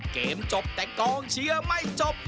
เกมจบแต่กองเชียร์ไม่จบ